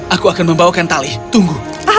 aku akan membawakan tali tunggu